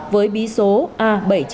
với bí số a bảy trăm chín mươi hai